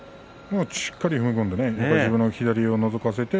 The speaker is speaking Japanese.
しっかり踏み込んで左をのぞかせて。